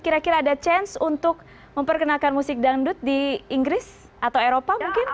kira kira ada chance untuk memperkenalkan musik dangdut di inggris atau eropa mungkin